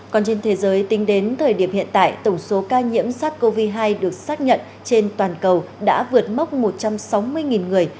còn trên thế giới tính đến thời điểm hiện tại tổng số ca nhiễm sars cov hai được xác nhận trên toàn cầu đã vượt mốc một trăm sáu mươi người